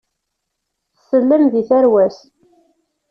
Tsellem deg tarwa-s.